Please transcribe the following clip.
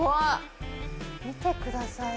見てください！